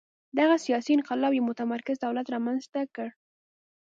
دغه سیاسي انقلاب یو متمرکز دولت رامنځته کړ.